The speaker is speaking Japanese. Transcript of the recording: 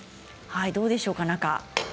どうでしょうか？